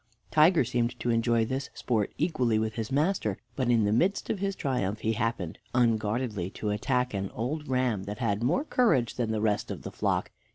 Tiger seemed to enjoy this sport equally with his master, but in the midst of his triumph he happened unguardedly to attack an old ram that had more courage than the rest of the flock.